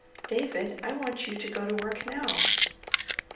"David, I want you to go to work now."